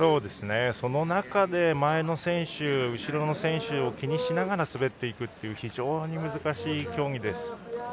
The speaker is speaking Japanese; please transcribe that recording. その中で、前の選手と後ろの選手を気にしながら滑っていくという非常に難しい競技です。